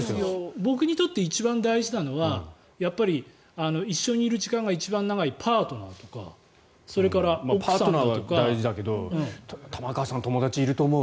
僕にとって一番大事なのはやっぱり一緒にいる時間が一番長いパートナーとかパートナーは大事だけど玉川さん、友達、いると思う。